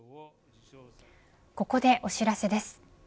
ここでお知らせです。